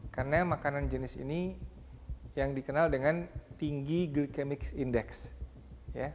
karena makanan jenis ini yang dikenal dengan tinggi glycemic index ya